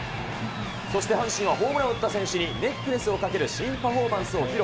そして阪神はホームランを打った選手にネックレスをかける新パフォーマンスを披露。